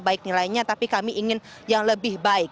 baik nilainya tapi kami ingin yang lebih baik